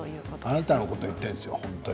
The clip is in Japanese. あなたのこと言ってるんですよ